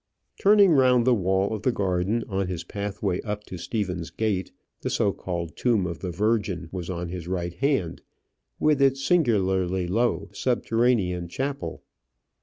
Turning round the wall of the garden, on his pathway up to Stephen's Gate, the so called tomb of the Virgin was on his right hand, with its singular, low, subterranean chapel.